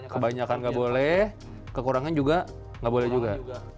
kebanyakan nggak boleh kekurangan juga nggak boleh juga